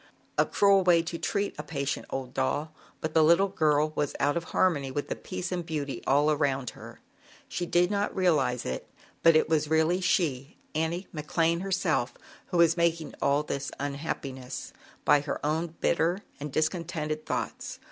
A cruel way to treat a patient old doll, but the little girl was out of harmony with the peace and beauty all around her. She did not realize it, but it was really she, Annie McLane herself, who was making all this unhappiness by her own bitter and discontented thoughts.